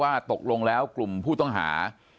ตกลงแล้วกลุ่มผู้ต้องหา